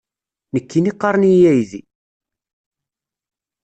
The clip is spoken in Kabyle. Nekkini qqaren-iyi aydi!